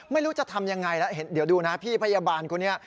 ไม่รู้จะทำยังไงแล้วเดี๋ยวดูนะพี่พยาบาลคนนี้